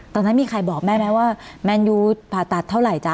ตอนนั้นมีใครบอกแม่ไหมว่าแมนยูผ่าตัดเท่าไหร่จ๊